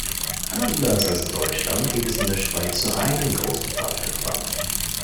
Anders als in Deutschland gibt es in der Schweiz nur einen grossen Pfadfinderverband.